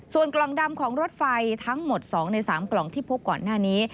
ส่วนกล่องดำของรถไฟทั้งหมด๒ใน๓กล่องที่พบก่อนหน้านี้